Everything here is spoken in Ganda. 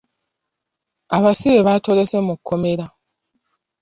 Abasibe batolose mu kkomera.